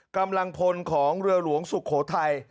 กำลังพลของเรือหลวงสุโขทัย